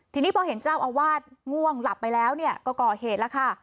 ทีนี้พอเห็นเจ้าอาวาสง่วงหลับไปแล้วก็ก่อเหตุแล้วค่ะ